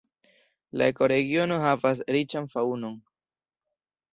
La ekoregiono havas riĉan faŭnon.